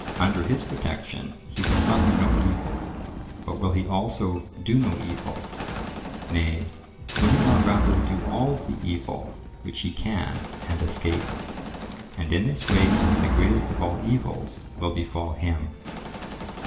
Under his protection he will suffer no evil, but will he also do no evil? Nay, will he not rather do all the evil which he can and escape? And in this way the greatest of all evils will befall him.